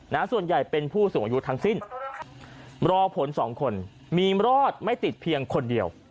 ส่วนใหญ่เป็นผู้สูงอายุทั้งสิ้นรอผลสองคนมีรอดไม่ติดเพียงคนเดียว